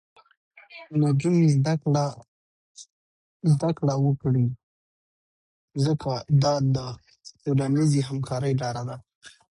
نجونې زده کړه وکړي، ځکه دا د ټولنیزې همکارۍ لاره ده.